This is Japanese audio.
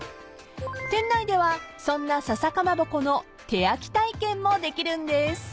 ［店内ではそんな笹かまぼこの手焼き体験もできるんです］